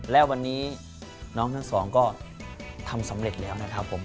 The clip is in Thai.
และวันนี้น้องทั้งสองก็ทำสำเร็จแล้วนะครับผม